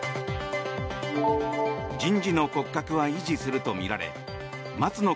人事の骨格は維持するとみられ松野